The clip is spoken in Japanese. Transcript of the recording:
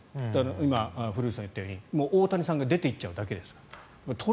今、古内さんが言ったように大谷さんが出ていっちゃうだけですから。